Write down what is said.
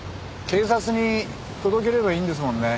警察に届ければいいんですもんね。